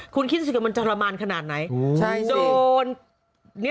คุณคิดว่ามันจรรมันขนาดไหน